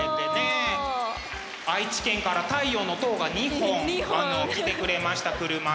愛知県から「太陽の塔」が２本来てくれました車で。